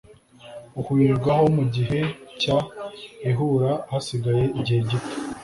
ihurirwaho mu gihe cy ihura hasigaye igihe gito